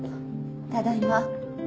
ただいま。